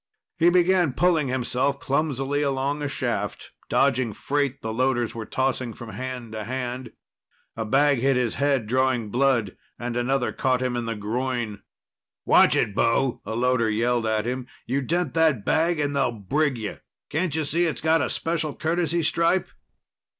He began pulling himself clumsily along a shaft, dodging freight the loaders were tossing from hand to hand. A bag hit his head, drawing blood, and another caught him in the groin. "Watch it, bo," a loader yelled at him. "You dent that bag and they'll brig you. Cantcha see it's got a special courtesy stripe?"